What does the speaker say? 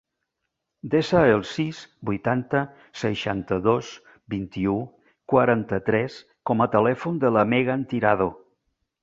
Desa el sis, vuitanta, seixanta-dos, vint-i-u, quaranta-tres com a telèfon de la Megan Tirado.